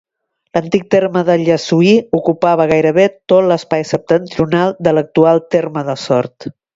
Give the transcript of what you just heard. L'antic terme de Llessui ocupava gairebé tot l'espai septentrional de l'actual terme de Sort.